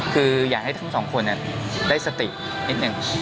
คืออยากให้ทั้งสองคนได้สตินิดหนึ่ง